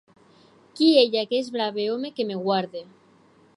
Qui ei aguest brave òme que me guarde?